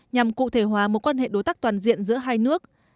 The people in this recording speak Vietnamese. nhằm cụ thể hóa mối quan hệ đối tác toàn diện giữa hai nước